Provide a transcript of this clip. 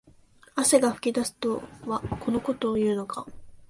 汗が噴き出すとはこのことを言うのか